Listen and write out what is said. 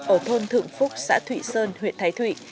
ở thôn thượng phúc xã thụy sơn huyện thái thụy